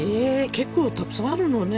結構たくさんあるのね。